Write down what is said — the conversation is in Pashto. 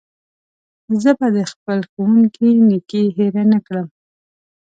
زه به د خپل ښوونکي نېکي هېره نه کړم.